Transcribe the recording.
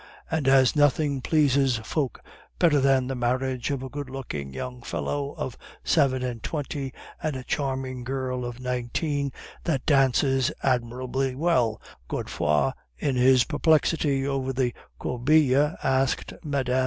And as nothing pleases folk better than the marriage of a good looking young fellow of seven and twenty and a charming girl of nineteen that dances admirably well, Godefroid in his perplexity over the corbeille asked Mme.